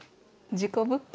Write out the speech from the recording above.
事故物件。